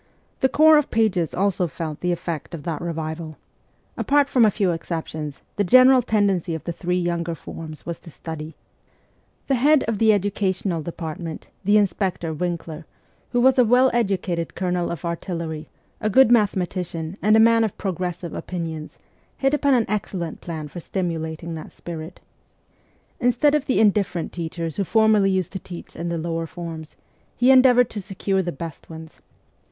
The corps of pages also felt the effect of that revival. Apart from a few exceptions, the general tendency of the three younger forms was to study. The head of VOL. i. H 98 MEMOIRS OF A REVOLUTIONIST the educational department, the inspector, Winkler, who was a well educated colonel of artillery, a good mathematician, and a man of progressive opinions, hit upon an excellent plan for stimulating that spirit. Instead of the indifferent teachers who formerly used to teach in the lower forms, he endeavoured to secure the best ones.